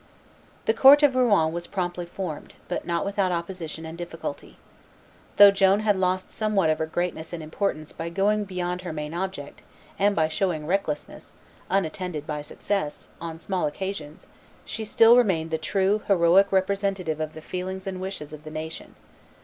The court of Rouen was promptly formed, but not without opposition and difficulty. Though Joan had lost somewhat of her greatness and importance by going beyond her main object, and by showing recklessness, unattended by success, on small occasions, she still remained the true, heroic representative of the feelings and wishes of the nation.